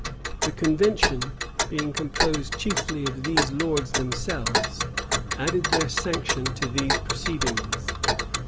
[*] The convention, being composed chiefly of these lords themselves, added their sanction to these proceedings.